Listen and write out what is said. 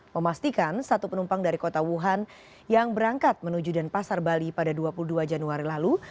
memastikan satu penumpang dari kota wuhan yang berangkat menuju denpasar bali pada dua puluh dua januari lalu